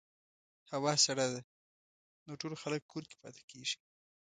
هوا سړه ده، نو ټول خلک کور کې پاتې کېږي.